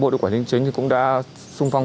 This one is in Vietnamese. ban chấp hành tri đoàn cũng đã vận động